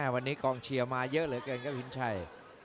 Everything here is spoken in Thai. วันนี้กองเชียร์มาเยอะเหลือเกินครับวินชัย